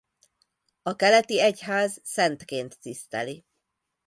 A keleti egyház szentként tiszteli.